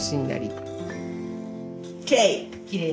きれい！